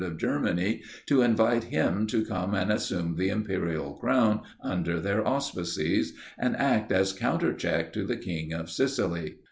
of Germany to invite him to come and assume the imperial crown under their auspices, and act as counter check to the king of Sicily.